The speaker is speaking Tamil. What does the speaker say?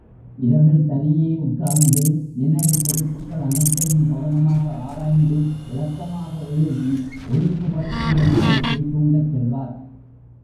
இரவில் தனியே உட்கார்ந்து, நினைவுக் குறிப்புக்கள் அனைத்தையும் கவனமாக ஆராய்ந்து, விளக்கமாக எழுதி, ஒழுங்குபடுத்தி வைத்துவிட்டே தூங்கச் செல்வார்.